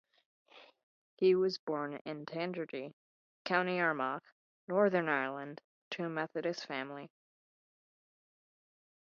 He was born in Tandragee, County Armagh, Northern Ireland to a Methodist family.